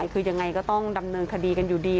คือยังไงก็ต้องดำเนินคดีกันอยู่ดี